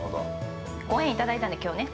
ご縁いただいたんで、きょうね。